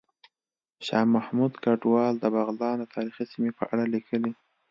شاه محمود کډوال د بغلان د تاریخي سیمې په اړه ليکلي